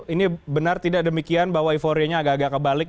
ini benar tidak demikian bahwa euforianya agak agak kebalik